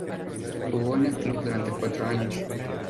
Jugó en el club durante cuatro años.